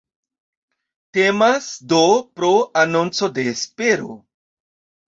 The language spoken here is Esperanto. Temas, do, pro anonco de espero.